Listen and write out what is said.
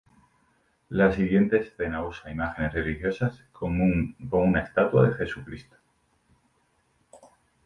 La siguiente escena usa imágenes religiosas con una estatua de Jesucristo.